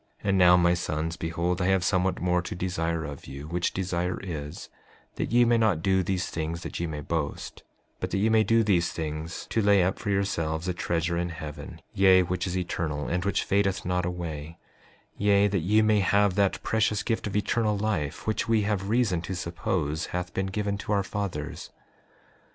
5:8 And now my sons, behold I have somewhat more to desire of you, which desire is, that ye may not do these things that ye may boast, but that ye may do these things to lay up for yourselves a treasure in heaven, yea, which is eternal, and which fadeth not away; yea, that ye may have that precious gift of eternal life, which we have reason to suppose hath been given to our fathers.